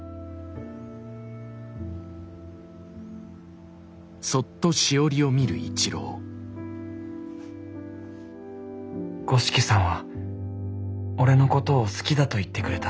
心の声五色さんは俺のことを好きだと言ってくれた。